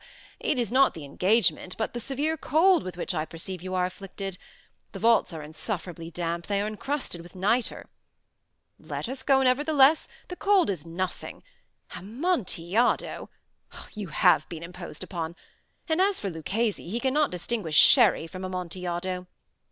It is not the engagement, but the severe cold with which I perceive you are afflicted. The vaults are insufferably damp. They are encrusted with nitre." "Let us go, nevertheless. The cold is merely nothing. Amontillado! You have been imposed upon. And as for Luchesi, he cannot distinguish Sherry from Amontillado."